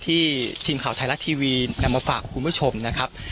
ทีมข่าวไทยรัฐทีวีนำมาฝากคุณผู้ชมนะครับ